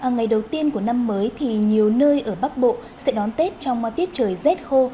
ngày đầu tiên của năm mới thì nhiều nơi ở bắc bộ sẽ đón tết trong tiết trời rét khô